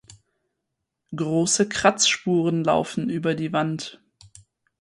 Große Kratzspuren laufen über die Wand.